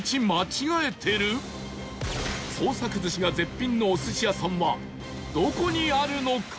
創作寿司が絶品のお寿司屋さんはどこにあるのか？